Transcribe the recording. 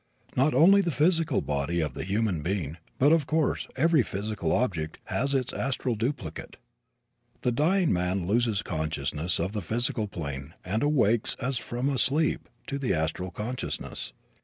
Not only the physical body of the human being but, of course, every physical object, has its astral duplicate. The dying man loses consciousness of the physical plane and awakes as from a sleep to the astral consciousness.